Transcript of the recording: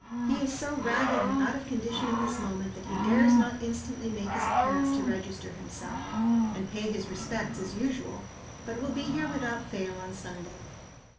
He is so ragged and out of condition at this moment, that he dares not instantly make his appearance to register himself, and pay his respects as usual, but will be here without fail on Sunday."